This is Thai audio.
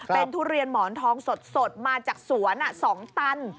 เป็นทุเรียนหมอนทองสดมาจากสวน๒ตัน